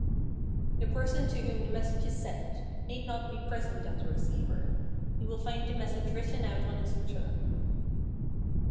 The person to whom the message is sent need not be present at the receiver. He will find the message written out on his return.